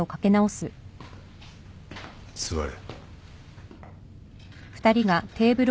座れ。